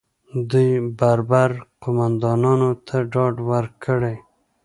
دوی بربر قومندانانو ته ډاډ ورکړي